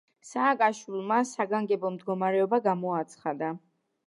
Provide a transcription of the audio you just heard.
სააკაშვილმა საგანგებო მდგომარეობა გამოაცხადა.